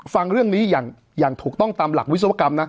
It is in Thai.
ฟังเรื่องนี้อย่างถูกต้องตามหลักวิศวกรรมนะ